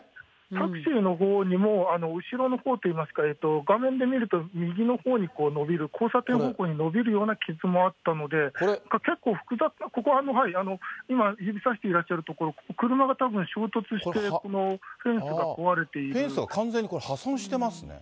タクシーのほうにも、後ろのほうといいますか、画面で見ると、右のほうにのびる、交差点方向にのびるような傷もあったので、結構複雑な、ここ、今、指さしていらっしゃる所、ここ、車がたぶん、衝突してフェンスがフェンスが完全に破損してますね。